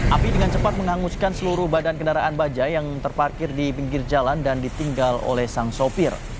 api dengan cepat menghanguskan seluruh badan kendaraan baja yang terparkir di pinggir jalan dan ditinggal oleh sang sopir